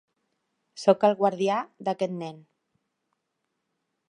Soc el guardià d"aquest nen.